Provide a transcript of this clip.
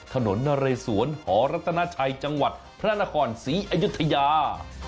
ถนนนเรสวนหอรัตนาชัยจังหวัดพระนครศรีอยุธยา